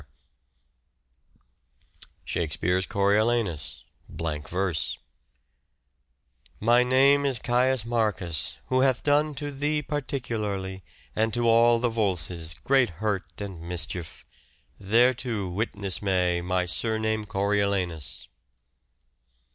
POSTHUMOUS CONSIDERATIONS 413 Shakespeare's "Coriolanus" (blank verse I) " My name is Caius Marcus who hath done To thee particularly, and to all the Voices Great hurt and mischief ; thereto witness may My surname Coriolanus."